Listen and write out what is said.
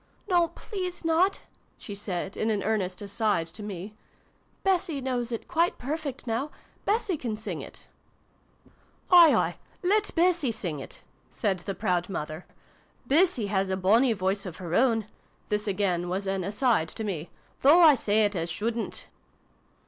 " No, please not !" she said, in an earnest ' aside ' to me. " Bessie knows it quite perfect now. Bessie can sing it !"" Aye, aye ! Let Bessie sing it !" said the proud mother. " Bessie has a bonny voice of her own," (this again was an ' aside ' to me) " though I say it as shouldn't